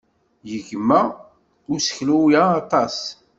Yegma useklu-a aṭas.